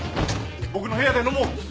僕の部屋で飲もう。